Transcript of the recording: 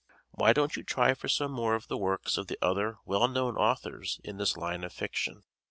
Why don't you try for some more of the works of the other well known authors in this line of fiction?